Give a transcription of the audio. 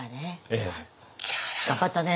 ええ。頑張ったね。